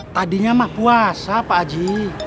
tadinya mah puasa pak aji